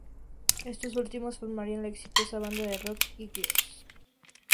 Estos últimos formarían la exitosa banda de rock Eagles.